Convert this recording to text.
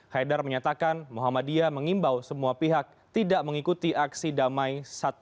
haidar menyatakan muhammadiyah mengimbau semua pihak tidak mengikuti aksi damai satu ratus dua belas